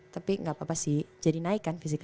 tapi nggak apa apa sih jadi naik kan fisik